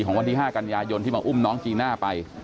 วันที่๕กันยายนที่มาอุ้มน้องจีน่าไป